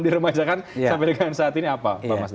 diremajakan sampai dengan saat ini apa